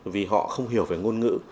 vì họ không hiểu về ngôn ngữ